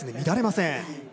乱れません。